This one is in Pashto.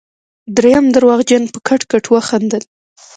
دريم درواغجن په کټ کټ وخندل.